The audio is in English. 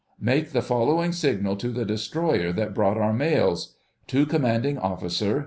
"Make the following signal to the Destroyer that brought our mails— "To Commanding Officer.